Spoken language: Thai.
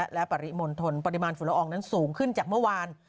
และปริมณฑลปริมาณฝุ่นละอองนั้นสูงขึ้นจากเมื่อวาน